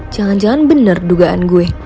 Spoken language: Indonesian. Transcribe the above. jangan jangan benar dugaan gue